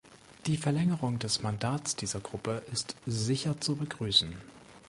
Die Verlängerung des Mandats dieser Gruppe ist sicher zu begrüßen.